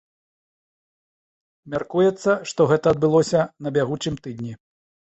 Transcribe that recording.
Мяркуецца, што гэта адбылося на бягучым тыдні.